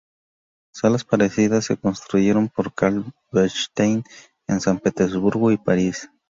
Salas parecidas se construyeron por Carl Bechstein en San Petersburgo y París.